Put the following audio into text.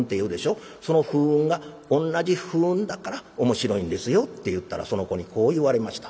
その『ふん』が同じ『ふん』だから面白いんですよ」って言ったらその子にこう言われました。